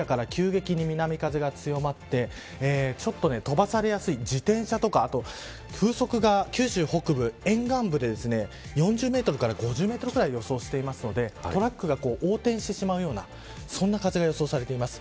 今夜から急激に南風が強まってちょっと飛ばされやすい自転車とかあと風速が、九州北部、沿岸部で４０メートルから５０メートルぐらい予想しているのでトラックが横転してしまうようなそんな風が予想されています。